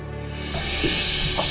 bujuk banyak banget